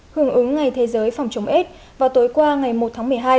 hưởng ứng ngày thế giới phòng chống s vào tối qua ngày một tháng một mươi hai